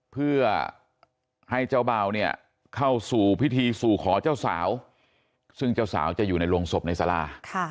เพื่อให้เจ้าเบาเนี่ยเข้าสู่พิธีสู่ขอเจ้าสาวซึ่งเจ้าสาวจะอยู่ในโรงศพในสารา